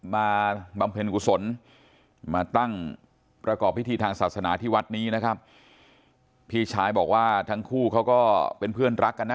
บำเพ็ญกุศลมาตั้งประกอบพิธีทางศาสนาที่วัดนี้นะครับพี่ชายบอกว่าทั้งคู่เขาก็เป็นเพื่อนรักกันนะ